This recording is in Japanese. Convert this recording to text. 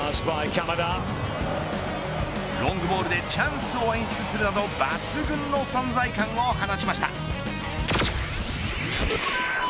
ロングボールでチャンスを演出するなど抜群の存在感を放ちました。